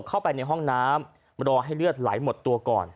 เข้าไปในห้องน้ำรอให้เลือดไหลหมดตัวก่อน